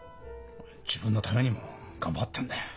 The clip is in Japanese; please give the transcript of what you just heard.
自分のためにも頑張ってんだよ。